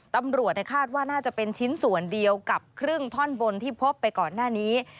ตำรวจคาดว่าน่าจะเป็นชิ้นส่วนเดียวกับครึ่งท่อนบนที่พบไปก่อนหน้านี้